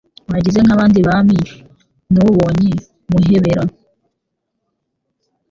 Wagize nk'abandi Bami Ntubonye Muhebera